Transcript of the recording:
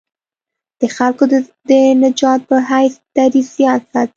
د خلکو د نجات په حیث دریځ یاد ساتي.